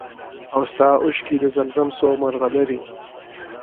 او ستا اوښکي د زم زم څو مرغلري!!